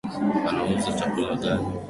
Unauza chakula gani?